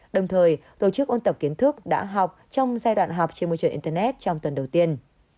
đồng thời tổ chức ôn tập kiến thức đã học trong giai đoạn học trên môi trường internet trong tuần đầu tiên